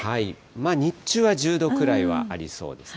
日中は１０度くらいはありそうですね。